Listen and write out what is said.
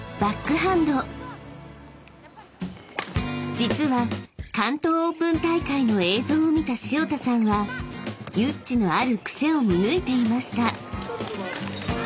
［実は関東オープン大会の映像を見た潮田さんはユッチのある癖を見抜いていました］